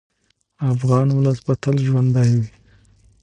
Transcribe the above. افغان ولس به تل ژوندی وي.